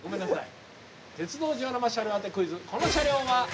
この車両は何？